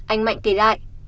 anh mạnh kể lại